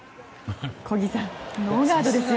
小木さん、ノーガードですよ。